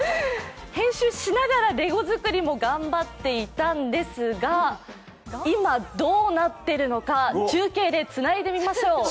編集しながらレゴづくりも頑張っていたんですが、今どうなっているのか、中継でつないでみましょう。